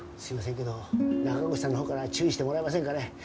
すいませんけど中越さんのほうから注意してもらえませんかね？